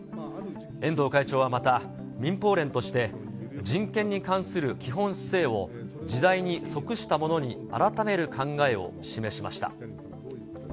遠藤会長はまた、民放連として人権に関する基本姿勢を時代に即したものに改める考えを示しました。